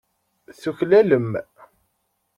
Tuklalem.